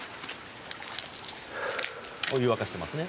「お湯沸かしてますね」